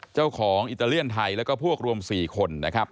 เจ้าของอิตาเลียนไทยแล้วก็พวกรวมสี่คนนะครับ